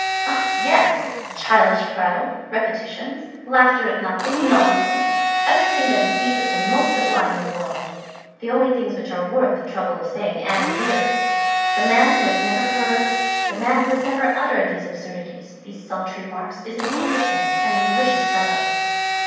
eh! yes, childish prattle, repetitions, laughter at nothing, nonsense, everything that is deepest and most sublime in the world! The only things which are worth the trouble of saying and hearing! The man who has never heard, the man who has never uttered these absurdities, these paltry remarks, is an imbecile and a malicious fellow.